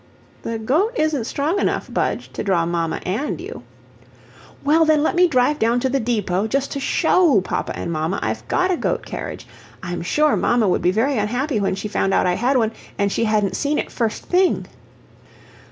"The goat isn't strong enough, Budge, to draw mamma and you." "Well, then, let me drive down to the depot just to SHOW papa an' mamma I've got a goat carriage I'm sure mamma would be very unhappy when she found out I had one, and she hadn't seen it first thing."